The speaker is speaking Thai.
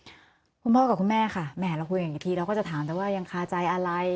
คุณพ่อกับคุณแม่ค่ะแม่เราคุยกันอีกทีเราก็จะถามแต่ว่ายังคาใจอะไร